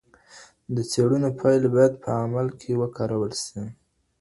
د څېړنو پایلې باید په عمل کي وکارول سي.